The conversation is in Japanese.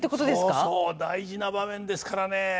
そうそう大事な場面ですからね。